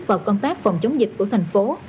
và công tác phòng chống dịch của thành phố